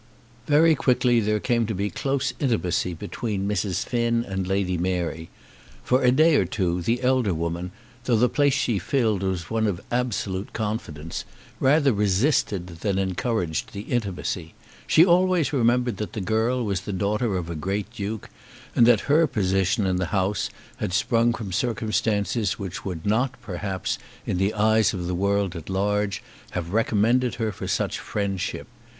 Very quickly there came to be close intimacy between Mrs. Finn and Lady Mary. For a day or two the elder woman, though the place she filled was one of absolute confidence, rather resisted than encouraged the intimacy. She always remembered that the girl was the daughter of a great duke, and that her position in the house had sprung from circumstances which would not, perhaps, in the eyes of the world at large, have recommended her for such friendship.